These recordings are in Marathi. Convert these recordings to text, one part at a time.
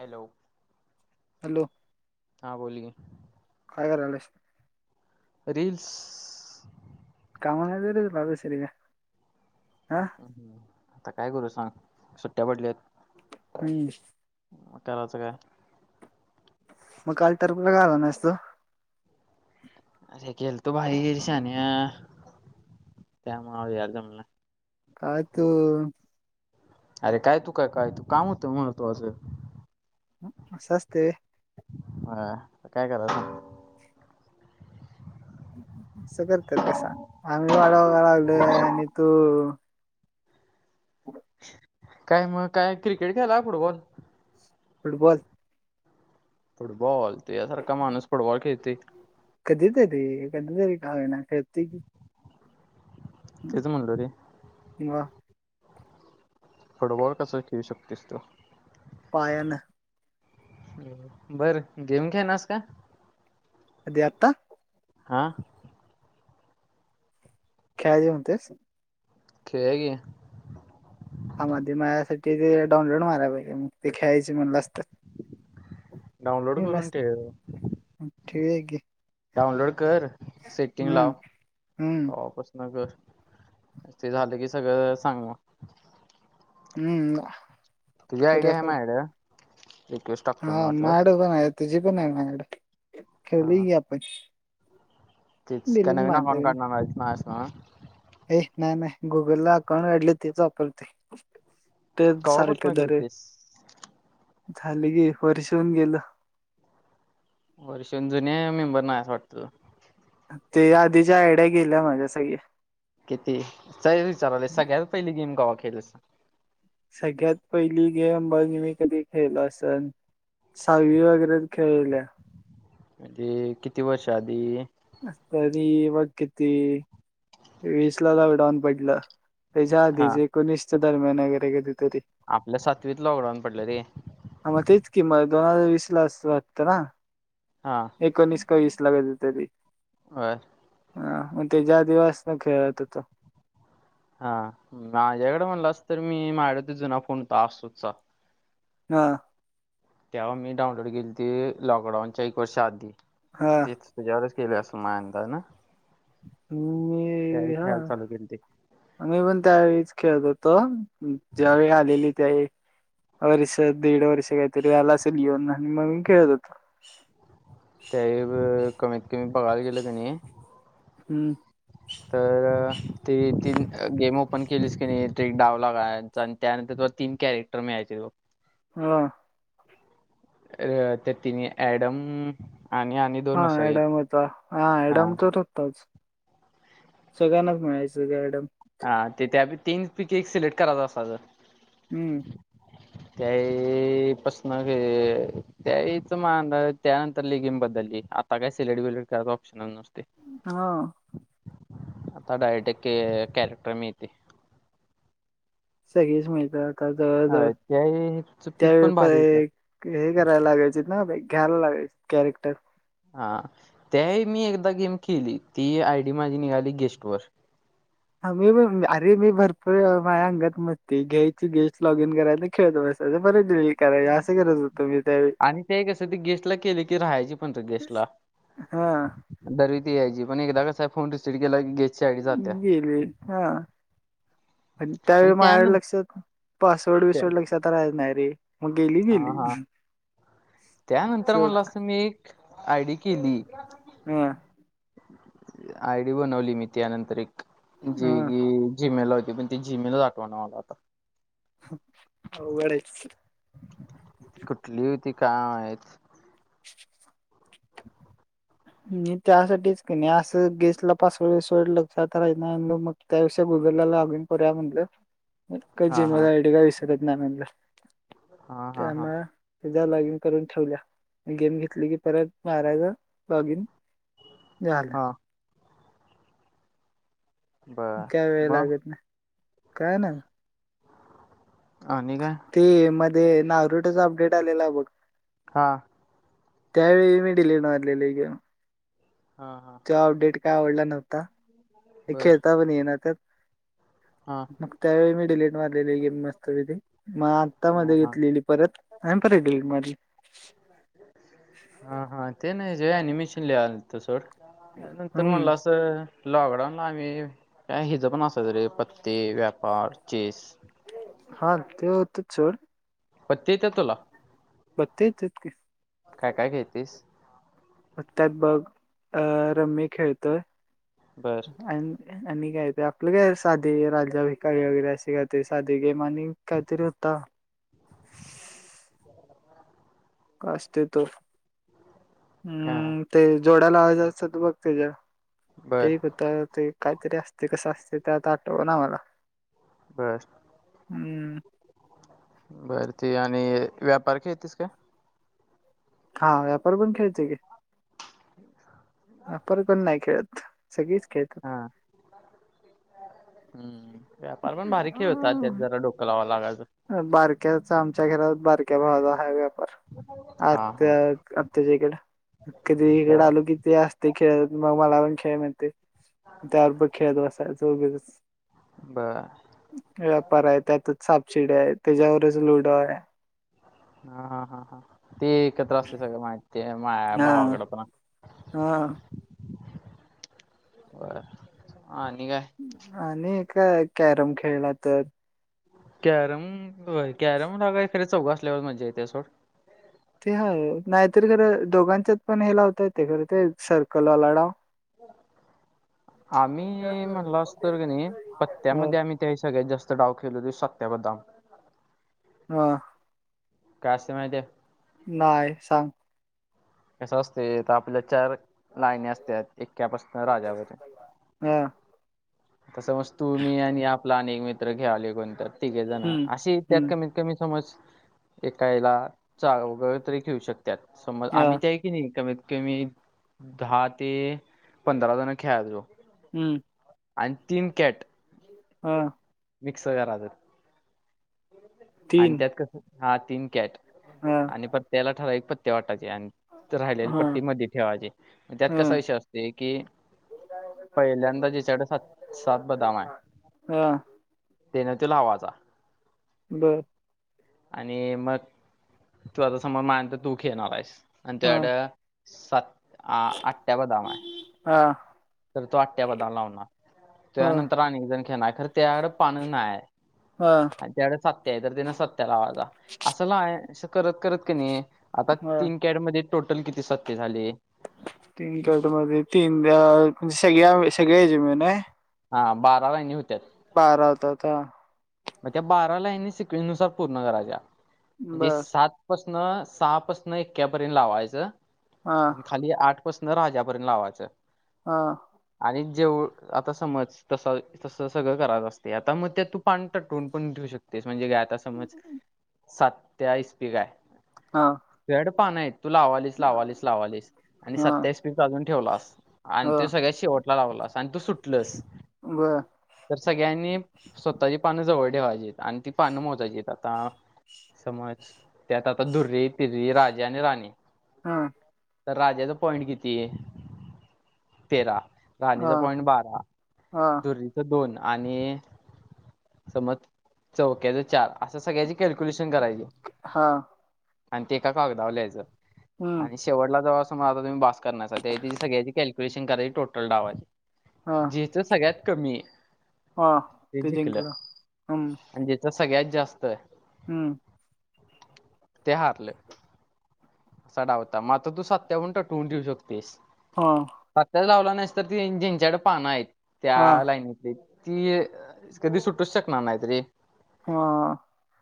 हॅलो हॅलो हा बोल की काय करलायस? रीलस कामं नाहीत काय तुला दुसरी काय? हं आता काय करू सांग सुट्ट्या पडल्यात. हम् त्यालाचं काय मग काल तरफला का आला नाहीस तू? आरे गेलतो भाई शान्यां त्यामुळे यायला जमले नाही. आ तू अरे काय तू का काय तू काम होतं महत्वाचे अस असते होय होय काय करायचे असं करतात काय सांग आम्ही वाडावाग लावलोय आणि तू [unintelligible] काय मग काय क्रिकेट खेळला काय फुटबॉल? फुटबॉल फुटबॉल तुज्यासारखा माणूस फूडबॉल खेळतंय कधी तरी कधी तरी का होईना खेळतोय की तेचं म्हणलो रे मग [inaudible] फुटबॉल कसं खेळू शकतोस तू- पायाने. बरं गेम खेळणार आहेस काय? कधी आता. हा खेळायचे म्हणतोय खेळूया की. हा मध्ये माझ्यासाठी ते डाऊनलोड मरायला पाहिजे, मग ते खेळायचे म्हणालास तर. डाउनलोड करून ठेव. खेळूया की. डाउनलोड कर सेटिंग हम्म लाव हम्म तेव्हा पासून- हा कर ते झालं की सगळं सांग मग. हम्म तुझी आयडी करूया आहे करूया माझ्या कडे. हा माझ्याकडे पण हाय तुझी पण आहे माझ्या कडे, हा खेळलोय की आपण- काय दिलीत नवीन अकाऊंट माधवी काढणार नाहीस नव. हे नाही नाही गुगल ला अकाउंट काढले तेच वापरतोय. तेच सारख कवापासून दरवेळी. खेळतेस झाले की एक वर्षहून गेलं. वर्षून जुन्या मेंबर नाही असं वाटतं. ते आधीच्या आयड्या गेल्या माझ्या सगळ्या. किती? [unintelligible] विचाराले, सगळ्यात पहिली गेम केव्हा खेळाल्यास सगळ्यात पहिली गेम बघ मी कधी खेळलो असन. साहवी वगैरे खेळलो. हम्म ते किती वर्ष आधी. तरी बघ किती. वीस ला लॉकडाउन पडलं. तेच्या आधी हा ऐकुनीस च्या दरम्यान कधी तरी, आपले सातवीत लॉकडाऊन पडलं रे हा तेच की मग दोन हजार वीस ला असं वाटतं. हा एकोणीस का वीस कधी तरी, बरं हा मग तेच्या आधी पासन खेळत होतो. हा माझ्याकडे म्हणलांस तर मी माझ्याकडे जुना फोन होता, अशोक- हा तेव्हा मी डाउनलोड केलंती लॉकडाऊनच्या एक वर्षा आधी. हा तुझ्यावर केले असल [unintelligible] हम् हा खेळायला चालू केलते मी पण त्यावेेळीच खेळत होतो, ज्यावेळी आलेली त्यावेळीं. वर्ष, दीड वर्ष, काहीतरी झालं असंल युन आणि म मी खेळत होतो. त्यावेळी बघ कमीत कमी बघायला गेलं कणी हम्म तर ते तीन गेम ओपन केलीस कनी ते डाव लागायचा, त्यानंतर तुला तीन कॅरेक्टर मिळायचे हां. अर त्या तिनि ऍडम आणि आणि त हा ॲडम होता, हा ॲडम तर हो ताच. सगळ्यांनाच मिळायचं की ॲडम. हां, ते त्या तीन पिकी एक सिलेक्ट करायच असायचं. हम्म. त्याय ते पसन ग त्यावेळी त माग त्यानंतर लय गेम बदलली, आ आता काय सिलेक्ट बिलेक्ट करायचा ऑप्शनच नसतोय. हो. आता डायरेक्ट के कॅरॅक्टर मिळतंय. सगळीच मिळतय आता जवळ जवळ, होय त्यावेळी ह्याचं पीक त्यावेळी पण भारी होतं पर्याय य हे करायला लागायचीत ना, ते घ्यायला लागायचं कॅरेक्टर. हा, त्यावेळी मी एकदा गेम खेळली, ती आयडी माझी निघाली गेस्ट वर हा, मी पण, अरे मी भरपूर वेळ माझ्या अंगात मस्तीय, घ्यायची गेस्ट लॉग इन करायच खेळत बसायचं बरेच दिवस हे करायच, असं करत हुतो आणि ते कसं ते गेस्टला केलं की राहायची पण ते गेस्टला. हा. दर वेळी ती यायची, पण एकदा कसं फोन रिसेट केला की घ्या गेली, हां. पण आणि त्यावेळी माझ्या त्यानंतर लक्षात, पासवर्ड विसवर्ड लक्षात राहायचा नाही रे. मग गेली हा गेली हा, अस त्यानंतर होत म्हणलास तर मी, आयडी केली हम्म. आयडी बनवली मी त्यानंतर एक, जी हा की जि मेल ला होती, पण ते जि मेलच आठवना मला आता. अवघड आहेस. कुठली हुती काय माहीत? [inaudible] मी त्यासाठीच कने असं गेस्ट ला पासवर्ड बिस्वर्ड लक्षात राहीत नाही म्हणुन मग त्यापेक्षा गुगलला लॉग इन करूया म्हटलं. मग काय हा जीमेल हा आयडी काय विसरत नाही म्हणलं, हा हा हा त्यामुळं एकदा लॉग इन करून ठेवल्या, गेम घेतली की परत मारायचं लॉग इन झालं. हा बर काय वेळ मग लागत नाही, काय नाही. आणि काय. ते मध्ये, नाारुट्याचा अपडेट आलेला बघ, हां. त्यावेळी मी डिलीट मारलेली गेम. हा हा. तो अपडेट काय आवडला नव्हता, बर खेळता पण ईना तो. हा मग त्यावेळी मी डिलेट मारलेली गेम मस्त मधे, मग आता हा मध्ये हा घेतलेली. परत, आणि परत डिलीट मारली. हा हा, ते नाही जे एनिमेशन लिवालतो सोड, नंतर म हम्म लॉकडाऊन आम्ही, काय हिज पण असायचं रे पत्ते, व्यापार, चेस, हां, ते होतंच सोड. पत्ते येत्यात तुला? पत्ते येत्यात की काय काय खेळतीस पत्त्या हायत बग अ रम्मी खेळतोय बर आणि आणि काय ते आपलं काय साधे राजा भिकारी वगैरे असे काय ते साधे गेम आणि काहीतरी होता असते तो हा हम्म ते जोड्या लावायचं असत्यात बघ तेजा बर ते एक येत तर ते काहीतरी असतय कसं असतय ते आता आठवना मला बर हम्म बर ते आणि व्यापार खेळतीस का हा व्यापार पण खेळते की ह व्यापार बिपार नाही खेळत सगळीच खेळत हा हम्म व्यापार पण भारी खेळ होता त्यात जरा डोकं लावा लागायचं बारक्याचा आमच्या घरात बारक्या भावाचा हाय व्यापार हा हा आत्त्या आत्त्याच्याइकडं कधी इकडं बर आलो कि ती अस ते खेळत मग मला पण खेळ म्हणते त्याबर खेळत बसायचं उगीचच बर व्यापार आहे त्यातच सापशिडी आहे त्येज्यावरच लुडो आहे हा हा हा हा ते एकत्र असते सगळं माहिती ते माझ्या हा. भावाकडं पण हा बर आणि काय आणि काय कॅरम खेळला तर कॅरम होय कॅरमला काय खरं चौघं असल्यावरच मज्जा इत्या सोड ते हाय नाहीतरी खरं दोघांच्यात पण हे लावता येतंय खरं ते सर्कलवाला डाव आम्ही म्हणलास तर का नाही ह पत्त्यामध्ये आम्ही ते आणि सगळ्यात जास्त डाव खेळलो ते सत्या बदाम हा काय असतंय माहिते नाय सांग कसं असतय तर आपल्या चार लाईन्या असत्यात एक्यापासनं राजापर्यंत हा त समज तू मी आणि आपला आणि एक मित्र खेळालोय कोणतर तिघे जणं हम्म अशी त्यात हम्म कमीत कमी समज एका हेला चौघं तरी खेळू शकत्यात समज हा आमी की नाही कमीत कमी दहा ते पंधरा जणं खेळायचो हम्म आणि तीन कॅट हा मिक्स करायचं आणि तीन त्यात कसं हा तीन कॅट हा आणि प्रत्येकाला ठरावीक पत्त्या वाटायचे आणि राहिल्याला हा पट्टी मधी ठेवायची मग त्यात हा कसा विषय असतोय की पहिल्यांदा जिच्याकडं सात सात बदाम आहे हा तेनं त्यो लावायचा बरं! आणि मग तू आता समज माया नंतर तू खेळणार आहेस, आणि हा त्याड सात, आठ त्यां बदाम आहे. हा! तर तो आठ्या बदाम लावणार, हा त्यानंतर अनेक जनं खेळणार, खरं त्याकड पानच नाये. हा! त्याकड सत्या आहे तर त्यांन सत्या लावायचा, असं नाय असं करतं करतं कं नी! आता हा तीन कॅडमध्ये टोटल किती सत्ते झाले? तीन कॅट मध्ये तीन ब्यां म्हणजे सगळ्या, सगळ्याचे मिळून हे. हा बारा लाईनी होत्यात. बारा होताता हा. म त्या बारा लाईनी सिकवेनुसार पूर्ण करायच्या म्हणजे बर सात. पसनं सहापसनं इक्क्या पर्यंनं लावायचं. हा! आणि खाली आठ पसन राजा पर्यंनं लावायचं. हा! आणि जेऊळ आता समज, तसं तस सगळं करायच असतेय आता मग ते तू पाणी? ट टून पण ठेऊ शकतेस, म्हणजे काय आता समज सात त्यां इस्पीका आहे. हां! भेड पान हे तू लावालीस, लावालीस, लावालीस, आणि हा सत्याइस्पिकं अजून ठेवलास. आणि हा ते सगळ्यात शेवटला लावलास आणि तू सुटलसं. बर तर सगळ्यांनी स्वतःची पानं जवळ ठेवायची आहेत, आणि ती पानं मोजायची आहेत आता. समज त्यात आता धुर्री, तिरी, राजा आणि राणी. हा! त राजाच पॉइंट किती हे तेरा. हा राणीचं पॉइंट बारा हा दुरीच दोन आणि समज चौक्याच चार अशा सगळ्याची कॅलक्युलेशन करायची. हा! आणि ते एका कागदावर लीहायचं हम्म आणि [unintelligible] आता तुम्ही बास करण्यासाठी तयाची सगळ्याची कॅलकुलेशन कराची टोटल डावाची. हा जिचं सगळ्यात कमीये. हा तेची. केलं अन जेचं सगळ्यात जास्त आहे. हूं! ते हारले. असा डाव होता, म आता तू सत्यावून टटवून ठेऊ शकतेस. हा! [unintelligible] लावला नाहीस तर त तीन जिंच्या कड पानं आहेत त्या हा लाईनी तील. ती ये कधी सुटूचं शकणार नाहीतरे. हा!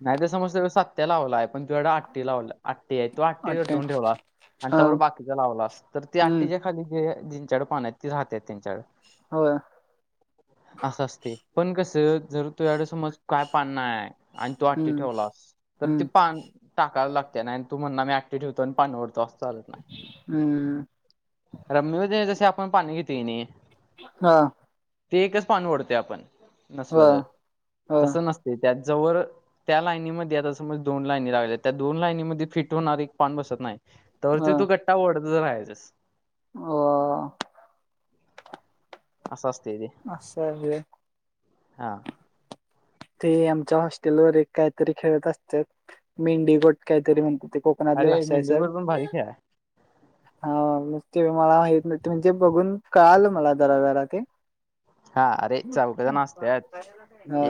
नाही तर समज तिकडं सत्या लावला आहे, पण तिकडं आठ्ठी लावला आठ्ठी हे. अठ्ठ्या [unintelligible] ठेवा आणि हा तवर बाकीचा लावला स तर ती हम्म आठी जे. खाली जे दीन चार पान आहेत ती राहत्यात त्यांच्याकडं. होय! असं असतेय पण कसं जर तुझ्याकडे समज काय पान नाय. आणि तू आठी हम्म ठेवलासं तर ते हम्म पानं टाकायला लागते ना आणि तू म्हणला ते ठेवतो आणि पाणी ओडतो असं चालत नाही? हम्म अरे मिळू दे जसे आपण पान घेतो यानी हा ते एकच पान ओढते आपण नसलं हा तर हा तसं नसतं. ते त्या जवळ त्या लाईनीमध्ये आता समज दोन लाईनी लावल्या येत त्या दोन लाईनीमध्ये फिट होणारी पान बसत नाही तोवर हा ते तू गट्टा ओढतच राहायचस. अह असं असतय तेे अस व्हय हा ते आमच्या हॉस्टेलवर एक काहीतरी खेळत असत्यात मेंढीकोट काहीतरी म्हणतात ते अरे मेंढीकोट पण भारी खेळ आहे. [unintelligible] मागितले म्हणजे बघून कळालं मला जरा जरा ते हा अरे चौघ जण असत्यात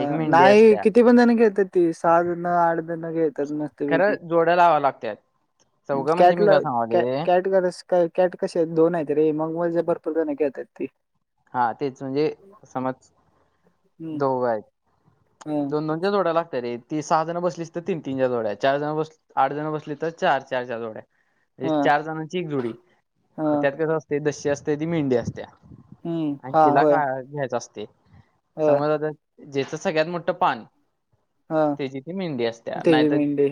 एक मेंढी नाही असत्या किती पण त्याने घेतात ती सहाजण आडजण घेतात मस्त तर जोड्या लावाव्या लागत्यात. चौघं म्हणजे मी कॅटल काय सांगालोय कॅट करस कॅट कसे दोन आहेत रे मग म्हणजे भरपूर जण खळेतात ते हा तेच म्हणजे समज दोघं आहेत. हा दोन दोनच्या जोड्या लागता रे ती सहा जण बसलीस तर तीन तीनच्या जोड्या चार जण बसली आठ जण बसली तर चार चारच्या जोड्या म्हणजे हा हा चार जणांची एक जोडी हा मग त्यात कस असतय दशी असते ती मेंढी असतेया. हं, आणि हां, तिला होय. का घ्यायच असते होय. समज आता ज्याच सगळ्यात मोठ पान हां, त्याची ती मेंढी असतेया त्याची नाहीतर मेंढी.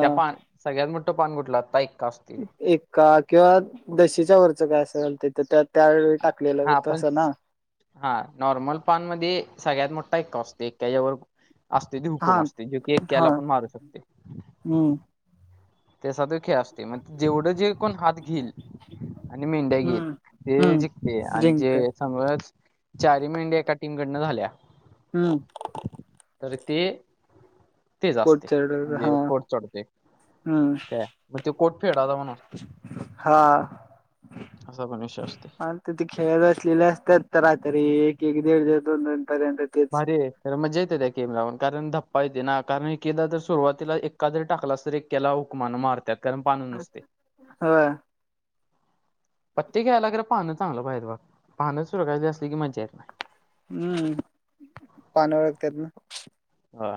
त्या पान सगळ्यात मोठं पान कुठला एक्का असतोय. एक्का किंवा दशीच्या वरचं काय असं चालतय तर त्या त्यावेळी हा टाकलेलं आपण तसं ना हा नॉर्मल पानमध्ये सगळ्यात मोठा एक्का आसतोय एक्क्याच्यावर असते ती हुकूम हां, असते जो की एकक्याला पण मारू शकते. हम्म त्याचा तो खेळ असते मग जेवढं जे कोण हात घेईल आणि मेंढ्या घेईल हं, ते हं. जिकते आणि जिंकतं. जे समज चारी मेंढ्या एका टीमकडनं झाल्या हम्म तर ते त्याचं असतेय कोटचडर म्हणजे हां, कोट चढतोय. हं. काय मग त्यो कोट फेडायचा पण असतोय. हा असा पण विषय असतोय. तिथ खेळत असलेल्या असत्यात रात्री एक एक दीड दीड दोन दोन पर्यंत तेच. भारीये. तर मजा येते त्या गेमला पण कारण धप्पा येते ना कारण एक एकेदा तर सुरुवातीला एक्का जरी टाकलास तरी एक्याला हुकमान मारत्यात कारण पाणच नसतेय. होय. पत्ते खेळायला खरं पानं चांगलं पाहिजेत बघा, पानं चुरघळेली असली की मजा येत नाही! हम्म! पान ओळखत्यात ना! ! हा! !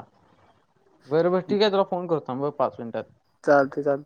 बर! बर! ठीक आहे, तुला फोन करतो थांबहा पाच मिनिटात! चालत चालतय! !